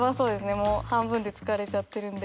もう半分でつかれちゃってるんで。